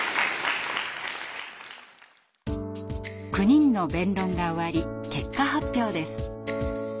９人の弁論が終わり結果発表です。